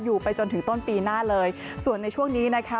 ไปจนถึงต้นปีหน้าเลยส่วนในช่วงนี้นะคะ